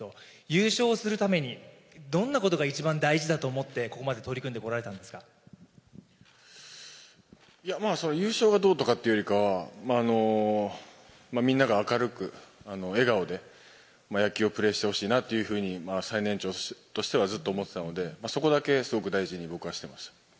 優勝するために、どんなことが一番大事だと思って、ここまで取り組んでこられたんでいや、優勝がどうとかっていうよりかは、みんなが明るく笑顔で、野球をプレーしてほしいというふうに、最年長としてはずっと思ってたので、そこだけすごく大事に僕はしてました。